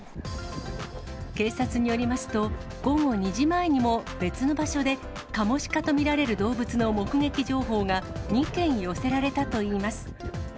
警察によりますと、午後２時前にも、別の場所でカモシカと見られる動物の目撃情報が、２件寄せられたといいます。